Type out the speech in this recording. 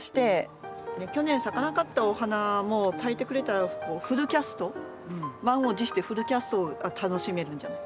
去年咲かなかったお花も咲いてくれたらフルキャスト満を持してフルキャストが楽しめるんじゃないかな。